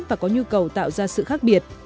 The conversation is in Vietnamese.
và có nhu cầu tạo ra sự khác biệt